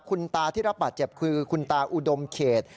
คุณตาที่รับบาดเจ็บคือคุณตาอุดมเขต